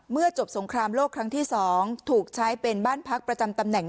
เมื่อจบสงครามโลกครั้งที่๒ถูกใช้เป็นบ้านพักประจำตำแหน่ง